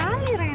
gak sekali rena